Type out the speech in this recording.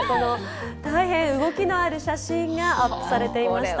大変動きのある写真がアップされていました。